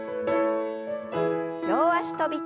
両脚跳び。